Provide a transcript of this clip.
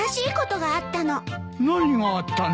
何があったんだ？